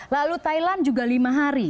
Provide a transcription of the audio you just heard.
lalu thailand juga lima hari